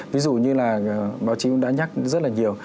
ví dụ như là báo chí cũng đã nhắc rất là nhiều